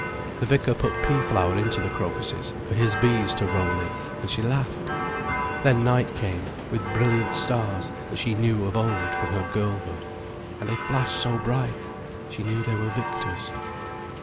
The vicar put pea flower into the crocuses, for his bees to roll in, and she laughed. Then night came, with brilliant stars that she knew of old, from her girlhood. And they flashed so bright, she knew they were victors.